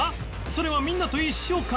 それはみんなと一緒か？